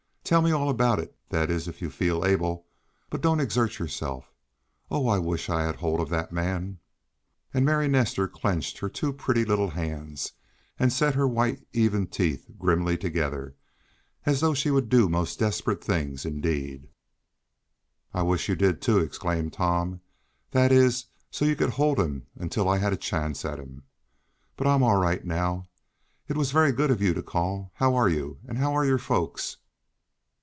Tell me all about it, that is, if you feel able. But don't exert yourself. Oh! I wish I had hold of that man!" And Miss Nestor clenched her two pretty little hands and set her white, even teeth grimly together, as though she would do most desperate things indeed. "I wish you did, too!" exclaimed Tom. "That is, so you could hold him until I had a chance at him. But I'm all right now. It was very good of you to call. How are you, and how are your folks?"